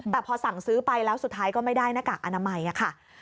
แต่พอสั่งซื้อไปแล้วสุดท้ายก็ไม่ได้หน้ากากอนามัยค่ะ